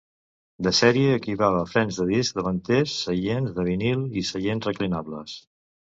De sèrie equipava frens de disc davanters, seients de vinil i seients reclinables.